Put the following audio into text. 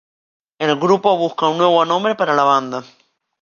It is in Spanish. El grupo busca un nuevo nombre para la banda.